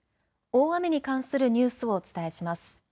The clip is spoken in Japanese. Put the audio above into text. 大雨に関するニュースをお伝えします。